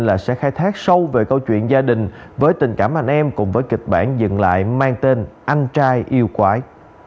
là sẽ khai thác sâu về câu chuyện gia đình với tình cảm anh em cùng với kịch bản dừng lại mang tên anh trai yêu quái